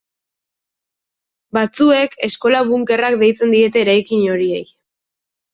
Batzuek eskola-bunkerrak deitzen diete eraikin horiei.